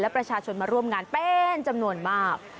และประชาชนมาร่วมงานเป็นจำนวนมาก